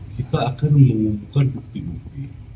kita akan mengumpulkan bukti bukti